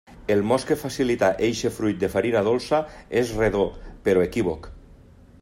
El mos que facilita eixe fruit de farina dolça és redó però equívoc.